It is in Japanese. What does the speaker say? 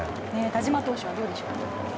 田嶋投手はどうでしょうか。